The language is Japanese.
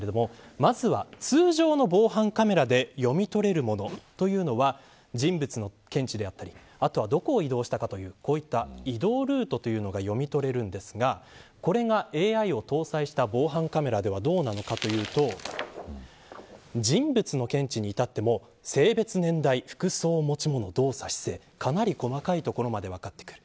まずは、通常の防犯カメラで読みとれるものというのは人物の検知であったりあとはどこを移動したかという移動ルートというのが読み取れるんですがこれがＡＩを搭載した防犯カメラではどうなのかというと人物の検知に至っても性別、年代、服装、持ち物動作、姿勢かなり細かいところまで分かってくる。